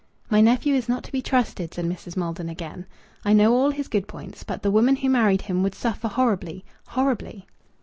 "My nephew is not to be trusted," said Mrs. Maldon again. "I know all his good points. But the woman who married him would suffer horribly horribly!"